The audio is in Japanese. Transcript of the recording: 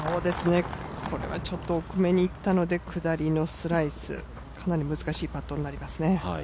これは奥めにいったので下りのスライス、かなり難しいパットになりますね。